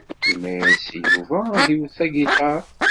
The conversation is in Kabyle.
Yenna-as i Yuba ad iwet tagiṭart.